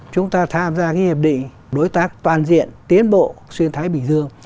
chúng ta tham gia cái hiệp định đối tác toàn diện tiến bộ xuyên thái bình dương